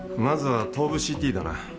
まずは頭部ＣＴだな。